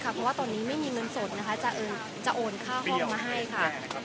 เพราะว่าตอนนี้ไม่มีเงินสดนะคะจะโอนค่าห้องมาให้ค่ะ